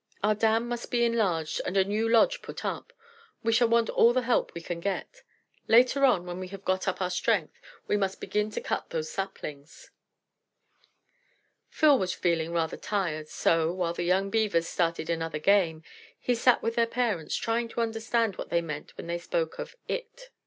"Our dam must be enlarged, and a new lodge put up. We shall want all the help we can get. Later on, when we have got up our strength, we must begin to cut those saplings." Phil was feeling rather tired, so, while the young Beavers started another game, he sat with their parents, trying to understand what they meant when they spoke of "IT."